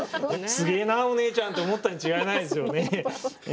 すげえなあお姉ちゃんと思ったに違いないですよね。